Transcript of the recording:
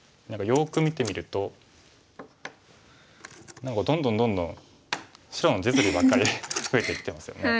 よく見てみるとどんどんどんどん白の実利ばっかり増えていってますよね。